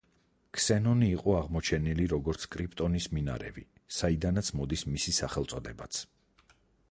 ქსენონი იყო აღმოჩენილი როგორც კრიპტონის მინარევი, საიდანაც მოდის მისი სახელწოდებაც.